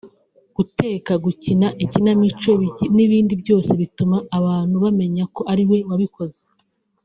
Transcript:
guteka gukina ikinamico n’ibindi byose bituma abantu bamenya ko ari we wabikoze